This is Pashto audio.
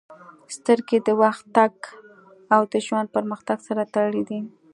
• سترګې د وخت تګ او د ژوند پرمختګ سره تړلې دي.